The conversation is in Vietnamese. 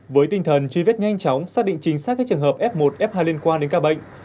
với tinh thần truy vết nhanh chóng xác định chính xác các trường hợp f một f hai liên quan đến ca bệnh